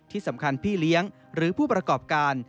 ที่สำคัญพี่เลี้ยงหรือผู้ประกอบการ